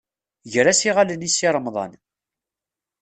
Ger-as iɣallen i Si Remḍan.